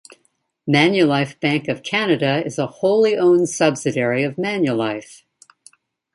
Manulife Bank of Canada is a wholly owned subsidiary of Manulife.